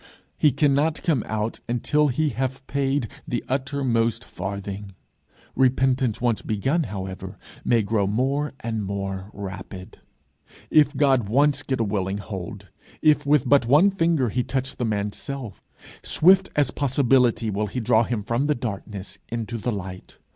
He cannot come out until he have paid the uttermost farthing! Repentance once begun, however, may grow more and more rapid! If God once get a willing hold, if with but one finger he touch the man's self, swift as possibility will he draw him from the darkness into the light.